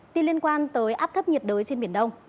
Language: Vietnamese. tin liên quan tới áp thấp nhiệt đới trên biển đông